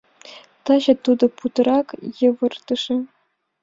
Таче тудо путырак йывыртыше.